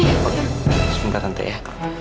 terus punggat tante ya